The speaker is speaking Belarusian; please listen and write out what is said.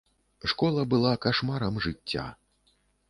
Школа была кашмарам жыцця.